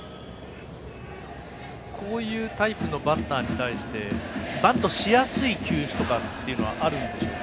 こういうタイプのバッターに対してバントしやすい球種とかはあるんでしょうか。